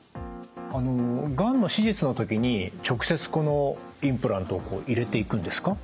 あのがんの手術の時に直接このインプラントを入れていくんですか？